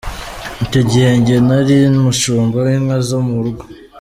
Icyo gihe njye nari umushumba w’inka zo mu rugo’’.